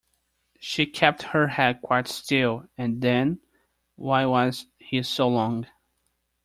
She kept her head quite still, and then — why was he so long?